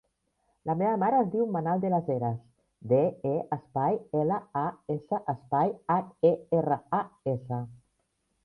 La meva mare es diu Manal De Las Heras: de, e, espai, ela, a, essa, espai, hac, e, erra, a, essa.